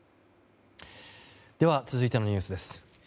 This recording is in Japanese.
続いてのニュースです。